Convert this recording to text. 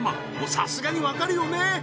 さすがにわかるよね？